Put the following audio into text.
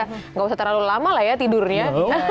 tidak usah terlalu lama lah ya tidurnya